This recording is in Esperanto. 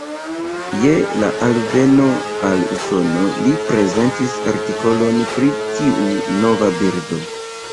Je la alveno al Usono li prezentis artikolon pri tiu nova birdo.